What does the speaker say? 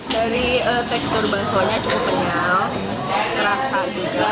dari tekstur baksonya cukup kenyal terasa juga